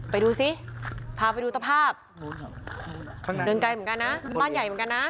ไปดูซิพาไปดูตภาพเดินไกลเหมือนกันนะบ้านใหญ่เหมือนกันนะ